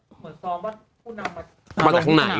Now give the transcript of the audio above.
เหมือนทรงว่าภูนำมาจากทางไหน